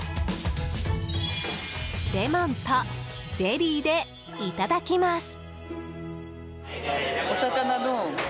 レモンとゼリーでいただきます。